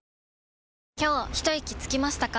今日ひといきつきましたか？